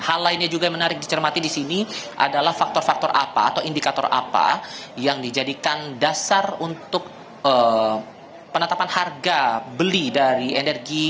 hal lainnya juga yang menarik dicermati di sini adalah faktor faktor apa atau indikator apa yang dijadikan dasar untuk penetapan harga beli dari energi